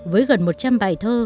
với gần một trăm linh bài thơ